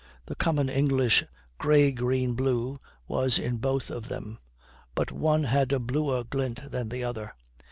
The common English grey green blue was in both of them, but one had a bluer glint than the other.